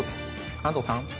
安藤さん。